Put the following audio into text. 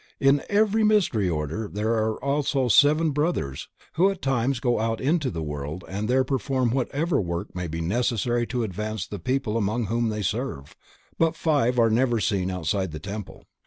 In every Mystery Order there are also seven brothers who at times go out into the world and there perform whatever work may be necessary to advance the people among whom they serve, but five are never seen outside the temple.